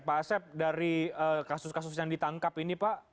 pak asep dari kasus kasus yang ditangkap ini pak